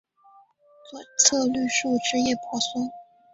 左侧绿树枝叶婆娑